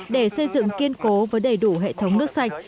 để xây dựng kiên cố với đầy đủ hệ thống nước sạch